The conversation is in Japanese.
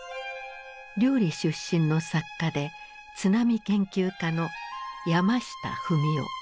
綾里出身の作家で津波研究家の山下文男。